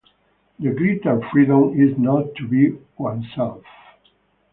The greater freedom is not to be oneself.